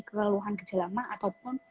keleluhan gejala mah ataupun